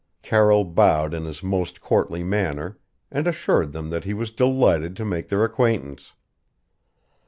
Carroll bowed in his most courtly manner, and assured them that he was delighted to make their acquaintance.